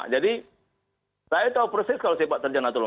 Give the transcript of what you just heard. jadi saya tahu persis kalau sempat terjang datul ulama